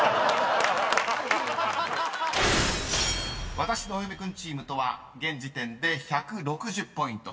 ［わたしのお嫁くんチームとは現時点で１６０ポイント差］